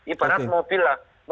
ibarat mobil lah